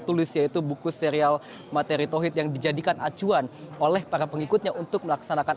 tulis yaitu buku serial materi tohid yang dijadikan acuan oleh para pengikutnya untuk melaksanakan